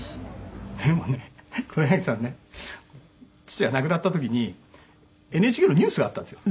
でもね黒柳さんね父が亡くなった時にＮＨＫのニュースがあったんですよ。